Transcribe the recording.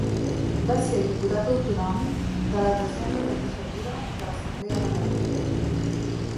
Va ser diputat autonòmic a la desena legislatura de l'Assemblea de Madrid.